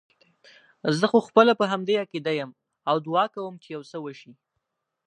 زه خو خپله په همدې عقیده یم او دعا کوم چې یو څه وشي.